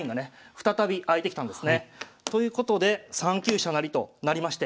再び開いてきたんですね。ということで３九飛車成となりまして。